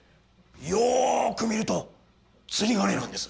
よく見ると釣り鐘なんです。